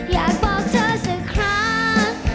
อยากบอกเธอสักครั้ง